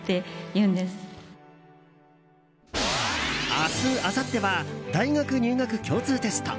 明日、あさっては大学入学共通テスト。